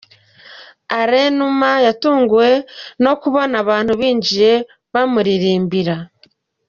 Alain Numa yatunguwe no kubona abantu binjiye bamuririmbira.